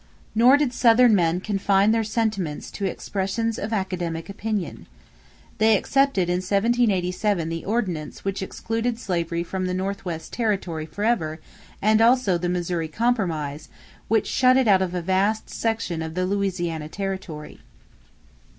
Nor did Southern men confine their sentiments to expressions of academic opinion. They accepted in 1787 the Ordinance which excluded slavery from the Northwest territory forever and also the Missouri Compromise, which shut it out of a vast section of the Louisiana territory.